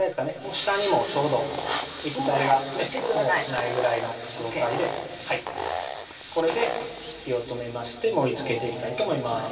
下にもちょうど液体がないぐらいの状態でこれで火を止めまして盛りつけていきたいと思います